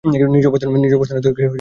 নিজ অবস্থানে থেকে আক্রমণ প্রতিহত করেন।